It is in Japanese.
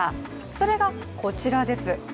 それが、こちらです。